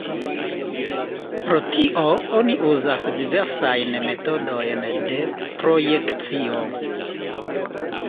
Pro tio oni uzas diversajn metodojn de projekcio.